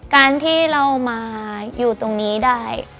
การที่เรามาอยู่ตรงนี้ได้